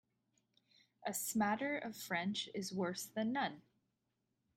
A smatter of French is worse than none.